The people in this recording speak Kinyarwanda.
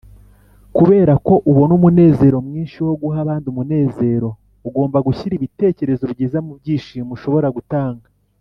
“kubera ko ubona umunezero mwinshi wo guha abandi umunezero, ugomba gushyira ibitekerezo byiza mu byishimo ushobora gutanga.”